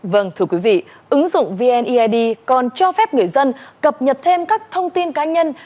vâng thưa quý vị ứng dụng vneid còn cho phép người dân cập nhật thêm các thông tin cá nhân